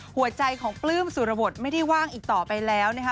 หัวใจของปลื้มสุรบทไม่ได้ว่างอีกต่อไปแล้วนะคะ